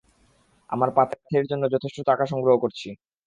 আমার পাথেয়ের জন্য যথেষ্ট টাকা সংগ্রহ করছি।